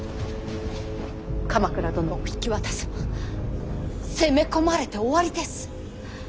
鎌倉殿を引き渡せば攻め込まれて終わりです。